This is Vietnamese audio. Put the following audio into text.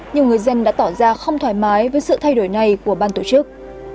nhiều người dân đã tỏ ra không thoải mái với sự thay đổi này của ban tổ chức